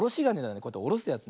こうやっておろすやつ。